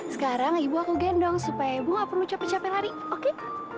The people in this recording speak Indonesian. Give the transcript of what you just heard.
sekarang ibu aku gendong supaya gue gak perlu capek capek lari oke